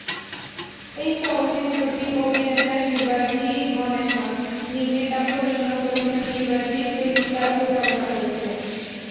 এই চলচ্চিত্রটি অভিনেতা শিবাজি গণেশন নিজেই তার প্রযোজনা প্রতিষ্ঠান শিবাজি ফিল্মস দ্বারা প্রযোজনা করেছিলেন।